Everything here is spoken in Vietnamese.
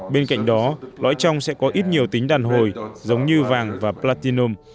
bên cạnh đó lõi trong sẽ có ít nhiều tính đàn hồi giống như vàng và platinom